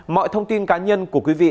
mọi thông tin cá nhân của quý vị